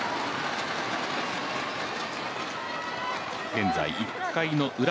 現在１回のウラ